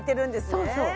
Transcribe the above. そうそう。